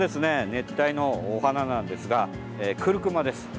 熱帯のお花なんですがクルクマです。